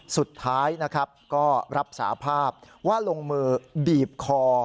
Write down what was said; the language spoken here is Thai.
สุดท้ายก็รับสารภาพว่าลงมือบีบคอ